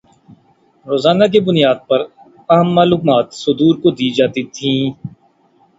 روزانہ کی بنیاد پر اہم معلومات صدور کو دی جاتی تھیں